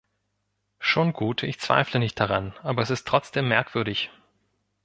Schon gut, ich zweifle nicht daran, aber es ist trotzdem merkwürdig.